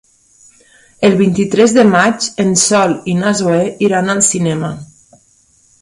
El vint-i-tres de maig en Sol i na Zoè iran al cinema.